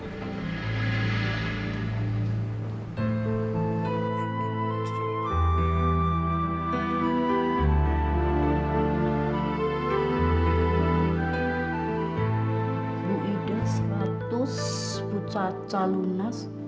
ibu ida seratus ibu caca lunas